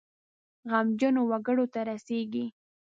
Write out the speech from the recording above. غمجنو وګړو ته رسیږي.